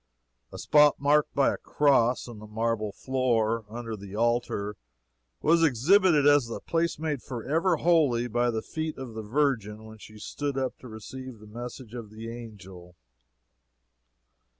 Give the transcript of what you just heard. A spot marked by a cross, in the marble floor, under the altar, was exhibited as the place made forever holy by the feet of the Virgin when she stood up to receive the message of the angel.